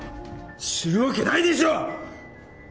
知るわけないでしょ！